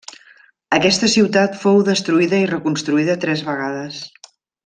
Aquesta ciutat fou destruïda i reconstruïda tres vegades.